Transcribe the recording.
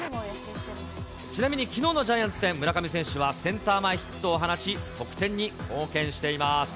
ちなみにきのうのジャイアンツ戦、村上選手はセンター前ヒットを放ち、得点に貢献しています。